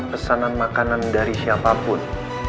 pesanan makanan dari siapapun